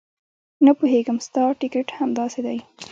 نه پوهېږم ستا ټیکټ همداسې دی.